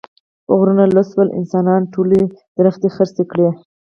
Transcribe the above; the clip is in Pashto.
غرونه لوڅ شول، انسانانو ټولې ونې خرڅې کړې.